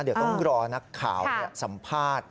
เดี๋ยวต้องรอนักข่าวสัมภาษณ์